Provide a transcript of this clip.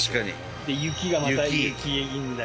で雪がまた雪いいんだよね。